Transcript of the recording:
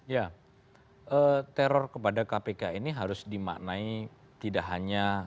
ya teror kepada kpk ini harus dimaknai tidak hanya